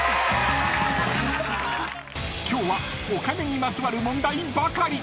［今日はお金にまつわる問題ばかり］